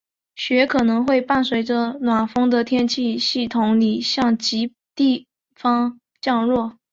雪可能会伴随着暖锋的天气系统里向极地方向降落。